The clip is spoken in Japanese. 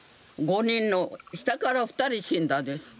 下から２人死んだです。